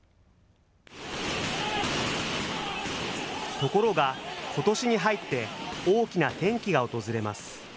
ところが、ことしに入って大きな転機が訪れます。